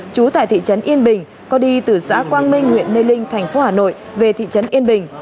chú tại thị trấn yên bình có đi từ xã quang minh huyện mê linh thành phố hà nội về thị trấn yên bình